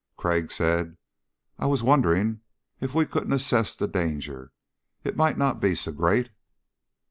Crag said, "I was wondering if we couldn't assess the danger. It might not be so great...."